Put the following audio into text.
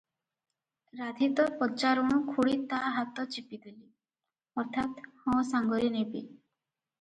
ରାଧୀ ନ ପଚାରୁଣୁ ଖୁଡ଼ି ତା ହାତ ଚିପିଦେଲେ - ଅର୍ଥାତ, ହଁ ସାଙ୍ଗରେ ନେବେ ।